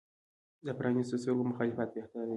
د پرانیستو سترګو مخالفت بهتر دی.